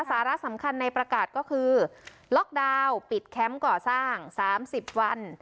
สาระสำคัญในประกาศก็คือล็อกดาวน์ปิดแคมป์ก่อสร้าง๓๐วัน